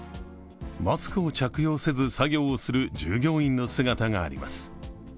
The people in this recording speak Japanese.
マスクを着用せず作業をする従業員の姿があります。